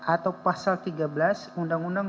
atau pasal tiga belas undang undang